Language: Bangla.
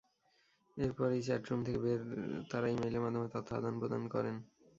এরপরেই চ্যাট রুম থেকে বের তাঁরা ইমেইলের মাধ্যমে তথ্য আদান-প্রদান করেন।